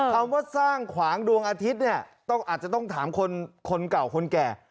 คำว่าสร้างขวางดวงอาทิตย์เนี่ยอาจจะต้องถามคนเก่าคนแก่